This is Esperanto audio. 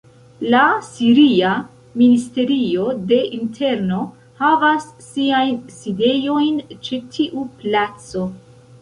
La Siria Ministerio de Interno havas siajn sidejojn ĉe tiu placo.